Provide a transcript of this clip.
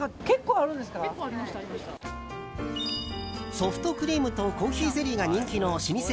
ソフトクリームとコーヒーゼリーが人気の老舗